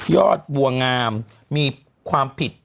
ยอดบัวงามมีความผิด